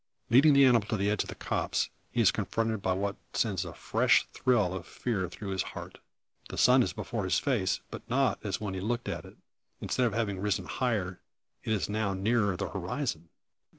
Leading the animal to the edge of the copse, he is confronted by what sends a fresh thrill of fear through his heart. The sun is before his face, but not as when he last looked at it. Instead of having risen higher, it is now nearer the horizon!